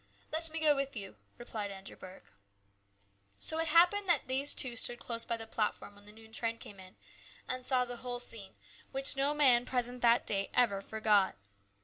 " Let me go with you," replied Andrew Burke. So it happened that these two stood close by the platform when the noon train came in, and saw the whole scene, which no man present that day ever forgot.